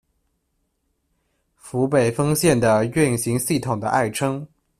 福北丰线的运行系统的爱称。